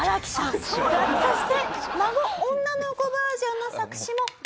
そして『孫−女の子バージョン−』の作詞も。